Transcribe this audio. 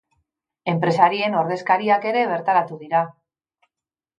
Enpresarien ordezkariak ere bertaratu dira.